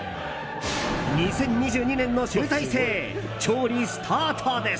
２０２２年の集大成調理スタートです。